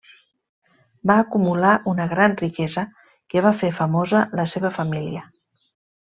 Va acumular una gran riquesa que va fer famosa la seva família.